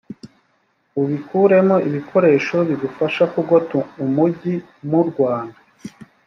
ubikuremo ibikoresho bigufasha kugota umugi murwana,